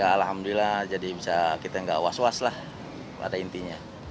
ya alhamdulillah jadi bisa kita nggak was was lah pada intinya